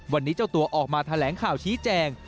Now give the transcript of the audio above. วันนี้เจ้าตัวออกมาแถลงข่าวชี้แจง